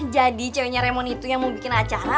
jadi ceweknya remon itu yang mau bikin acara